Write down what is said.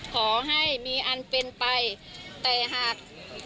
สาโชค